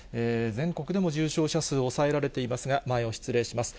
全国でも重症者数抑えられていますが、前を失礼します。